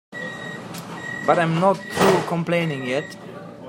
But I'm not through complaining yet.